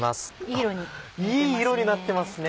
いい色になってますね。